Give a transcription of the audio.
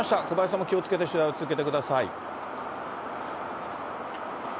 小林さんも気をつけて取材を続けてください。